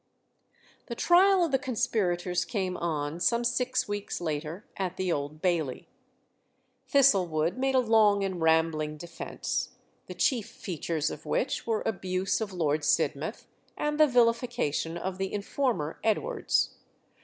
The trial of the conspirators came on some six weeks later, at the Old Bailey. Thistlewood made a long and rambling defence, the chief features of which were abuse of Lord Sidmouth, and the vilification of the informer Edwards.